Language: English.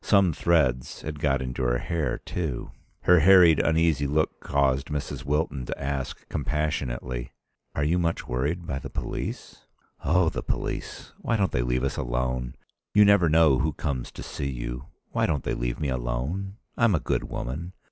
Some threads had got into her hair too. Her harried, uneasy look caused Mrs. Wilton to ask compassionately: "Are you much worried by the police?" "Oh, the police! Why don't they leave us alone? You never know who comes to see you. Why don't they leave me alone? I'm a good woman.